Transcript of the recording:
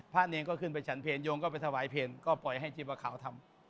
เนรก็ขึ้นไปฉันเพลโยงก็ไปถวายเพลงก็ปล่อยให้ชีพะขาวทำ